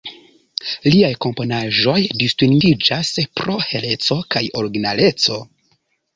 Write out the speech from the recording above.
Liaj komponaĵoj distingiĝas pro heleco kaj originaleco.